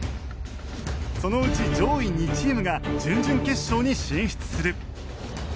そのうち上位２チームが準々決勝に進出する。